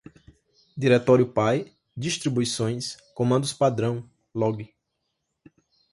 diretório-pai, distribuições, comandos-padrão, log